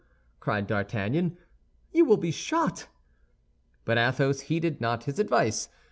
cried D'Artagnan, "you will be shot." But Athos heeded not his advice.